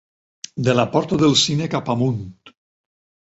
De la porta del cine cap amunt.